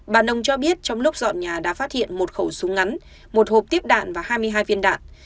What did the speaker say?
bà nông cho biết trong lúc dọn nhà đã phát hiện một khẩu súng ngắn một hộp tiếp đạn và hai mươi hai viên đạn